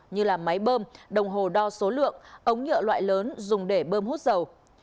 như máy bơm đồng hồ đo số lượng ống nhựa loại lớn dùng để bơm hút dầu